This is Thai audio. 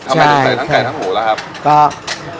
ทำไมถึงใส่ทั้งไก่ทั้งหมูล่ะครับ